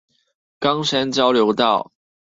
岡山交流道